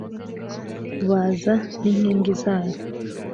kubaza n inkingi zayo